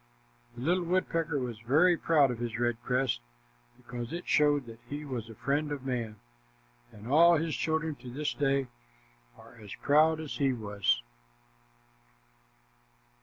'" The little woodpecker was very proud of his red crest because it showed that he was the friend of man, and all his children to this day are as proud as he was.